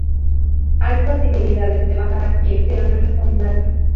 Hay posibilidades de bajar a pie pero no es recomendable.